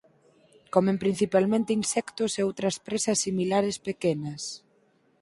Comen principalmente insectos e outras presas similares pequenas.